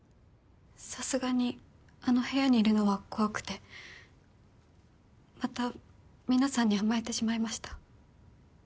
さすがにあの部屋にいるのは怖くてまた皆さんに甘えてしまいました。